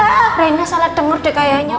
iya rena salah denger deh kayaknya